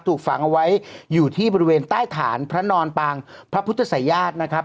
ถูกฝังเอาไว้อยู่ที่บริเวณใต้ฐานพระนอนปางพระพุทธศัยญาตินะครับ